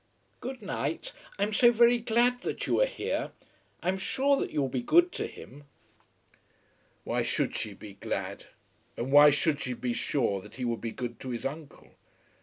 Good night. I am so very glad that you are here. I am sure that you will be good to him." Why should she be glad, and why should she be sure that he would be good to his uncle?